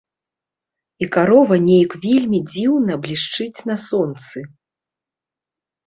І карова неяк вельмі дзіўна блішчыць на сонцы.